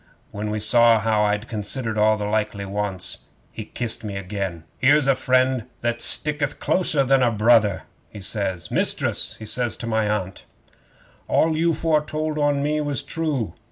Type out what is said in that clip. When he saw how I'd considered all his likely wants, he kissed me again. '"Here's a friend that sticketh closer than a brother!" he says. "Mistress," he says to my Aunt, "all you foretold on me was true.